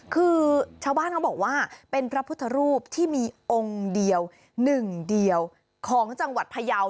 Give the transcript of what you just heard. คือชาวบ้านเขาบอกว่าเป็นพระพุทธรูปที่มีองค์เดียวหนึ่งเดียวของจังหวัดพยาว